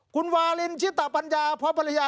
คุณวาลินชิตปัญญาพรพริยา